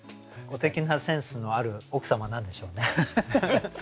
すてきなセンスのある奥様なんでしょうね。